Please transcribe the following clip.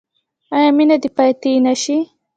آیا مینه دې پاتې نشي؟